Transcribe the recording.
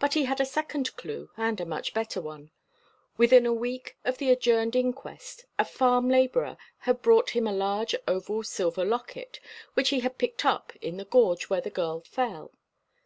But he had a second clue, and a much better one. Within a week after the adjourned inquest, a farm labourer had brought him a large oval silver locket, which he had picked up in the gorge where the girl fell.